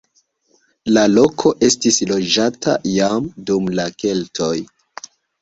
La loko estis loĝata jam dum la keltoj.